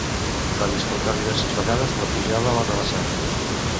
Va disputar diverses vegades la Pujada a la Rabassada.